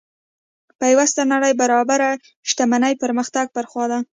پیوسته نړۍ برابرۍ شتمنۍ پرمختګ پر خوا ده.